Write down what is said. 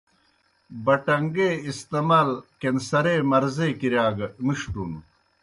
بٹَݩگے استعمال کینسرے مرضے کِرِیا گہ مِݜٹُن۔